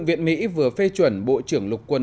viện mỹ vừa phê chuẩn bộ trưởng lục quân